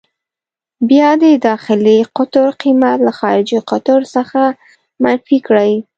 بیا د داخلي قطر قېمت له خارجي قطر څخه منفي کړئ.